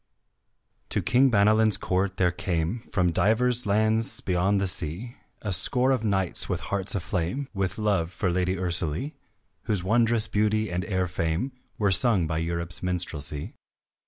To King Banalin's court there came From divers lands beyond the sea A score of knights, with hearts aflame With love for lady Ursalie, Whose wondrous beauty and fair fame Were sung by Europe's minstrelsy.